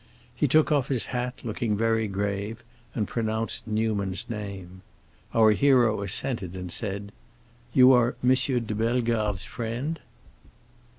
He took off his hat, looking very grave, and pronounced Newman's name. Our hero assented and said, "You are M. de Bellegarde's friend?"